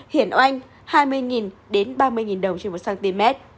hiển oanh hai mươi ba mươi đồng trên một cm